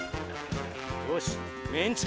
よしメンチだ。